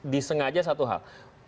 disengaja satu hal